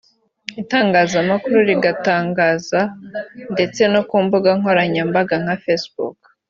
itangazamakuru rigatangaza ndetse no ku mbuga nkoranyambaga nka Facebook